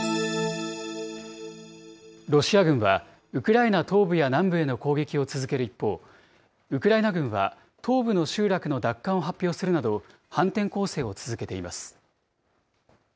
ロシア軍は、ウクライナ東部や南部への攻撃を続ける一方、ウクライナ軍は東部の集落の奪還を発表するなど、反転攻勢を続けています。